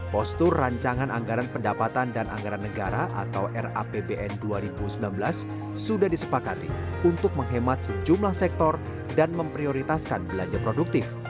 postur rancangan anggaran pendapatan dan anggaran negara atau rapbn dua ribu sembilan belas sudah disepakati untuk menghemat sejumlah sektor dan memprioritaskan belanja produktif